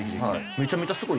めちゃめちゃすごい。